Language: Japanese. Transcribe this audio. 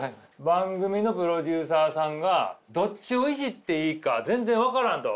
番組のプロデューサーさんがどっちをイジっていいか全然分からんと。